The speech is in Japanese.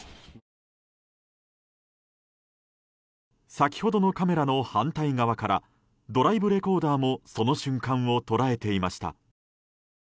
先ほどのカメラの反対側からドライブレコーダーもその瞬間を捉えていました。